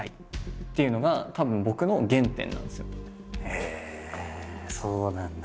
へえそうなんだ。